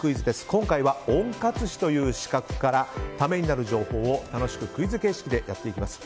今回は温活士という資格からためになる情報を楽しくクイズ形式でやっていきます。